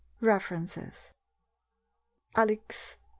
REFERENCES: Alex.